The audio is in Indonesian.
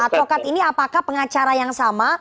advokat ini apakah pengacara yang sama